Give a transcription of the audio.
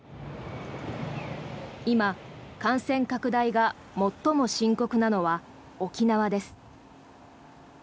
今、感染拡大が最も深刻なのは沖縄です。